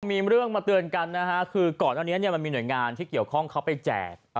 มีเรื่องมาเตือนกันนะฮะคือก่อนอันนี้มันมีหน่วยงานที่เกี่ยวข้องเขาไปแจก